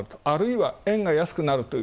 あるいは円が安くなる。